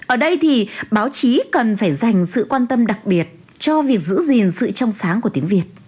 ở đây thì báo chí cần phải dành sự quan tâm đặc biệt cho việc giữ gìn sự trong sáng của tiếng việt